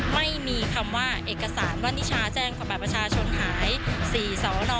ไม่มีคำว่าเอกสารว่านิชาแจ้งกว่าบัตรประชาชนหาย๔สน